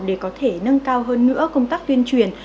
để có thể nâng cao hơn nữa công tác tuyên truyền